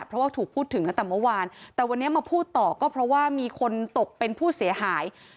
เพราะว่าถูกพูดถึงตั้งแต่เมื่อวานแต่วันนี้มาพูดต่อก็เพราะว่ามีคนตกเป็นผู้เสียหาย